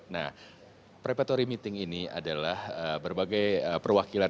nah prepatory meeting ini adalah berbagai perwakilan